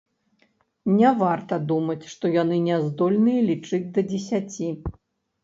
Не варта думаць, што яны не здольныя лічыць да дзесяці.